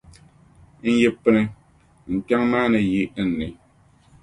n yi pini, n kpiɔŋ maa ni yi n ni.